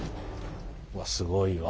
すごいわ。